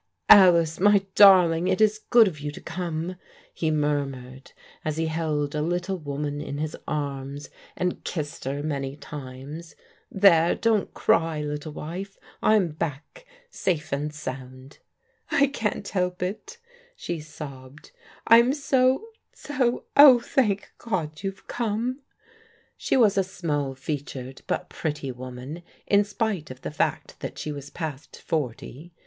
"Alice, my darling, it is good of you to come," he mur mured as he held a little woman in his arms, and kissed her many times. "There, don't cry, little wife. I'm back safe and sound." " I can't help it," she sobbed. " I*m so — so — oh, thank God you've come !" She was a small featured but pretty woman, in spite of the fact that she was past forty.